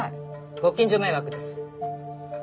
ご近所迷惑です。